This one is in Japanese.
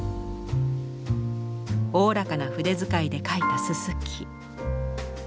おおらかな筆遣いで描いたすすき。